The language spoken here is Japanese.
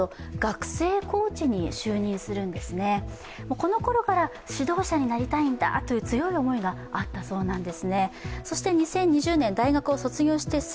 このころから指導者になりたいんだという強い思いがあったそうです。